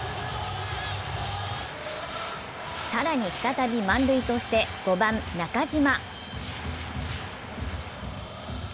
更に再び満塁として５番・中島。